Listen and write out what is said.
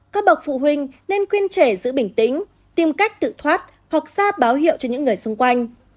các bậc phụ huynh nên quyên trẻ giữ bình tĩnh tìm cách tự thoát hoặc ra báo hiệu cho những người xung quanh